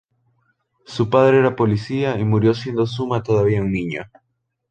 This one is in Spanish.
Su padre era policía, y murió siendo Zuma todavía un niño.